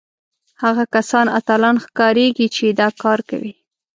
هغه کسان اتلان ښکارېږي چې دا کار کوي